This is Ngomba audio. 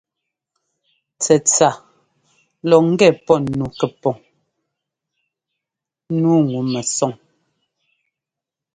Tsɛtsa lɔ ŋgɛ pɔ nu pɛpuŋ nǔu ŋu-mɛsɔŋ.